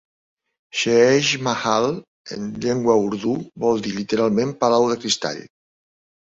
"Sheesh Mahal", en llengua urdú, vol dir literalment "Palau de Cristall".